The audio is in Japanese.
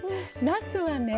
なすはね